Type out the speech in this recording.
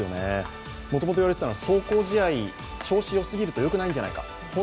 もともと言われていたのは、壮行試合で調子がよすぎるとよくないんじゃないか。